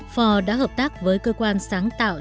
ford đã hợp tác với cơ quan sáng tạo